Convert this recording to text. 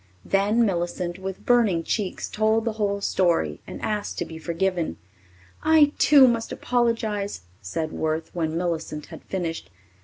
Then Millicent, with burning cheeks, told the whole story and asked to be forgiven. "I, too, must apologize," said Worth, when Millicent had finished.